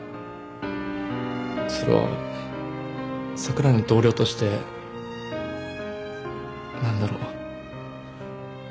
それは櫻井の同僚として何だろう。